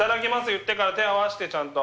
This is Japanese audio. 言ってから手を合わせてちゃんと。